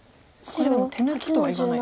これでも手抜きとは言わない。